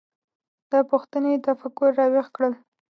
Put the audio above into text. دا پوښتنې تفکر راویښ کړل.